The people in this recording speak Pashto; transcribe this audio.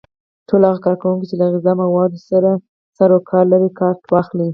ټول هغه کارکوونکي چې له غذایي موادو سره سرو کار لري کارت واخلي.